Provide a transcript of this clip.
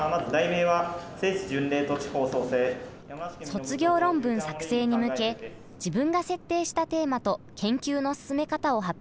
卒業論文作成に向け自分が設定したテーマと研究の進め方を発表します。